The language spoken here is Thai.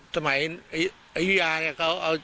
ฐานพระพุทธรูปทองคำ